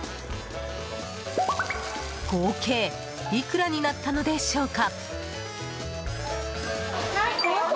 合計いくらになったのでしょうか。